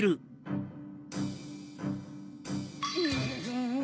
うん。